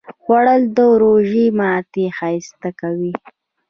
خوړل د روژه ماتی ښایسته کوي